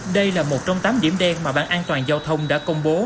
đây là một trong tám điểm đen mà ban an toàn giao thông đã công bố